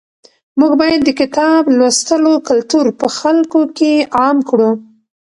موږ باید د کتاب لوستلو کلتور په خلکو کې عام کړو.